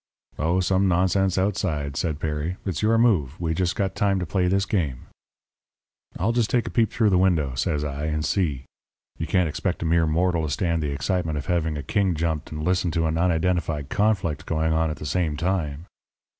"'Oh, some nonsense outside,' says Perry. 'It's your move. We just got time to play this game.' "'I'll just take a peep through the window,' says I, 'and see. You can't expect a mere mortal to stand the excitement of having a king jumped and listen to an unidentified conflict going on at the same time.'